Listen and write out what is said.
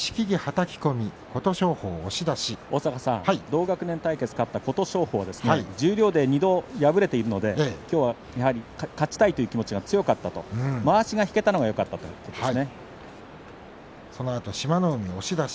同学年対決となった琴勝峰ですが、十両で２度敗れているので、きょうはやはり勝ちたいという気持ちが強かった、まわしが引けたのがよかったということです。。